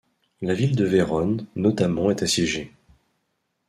La ville de Vérone, notamment est assiégée.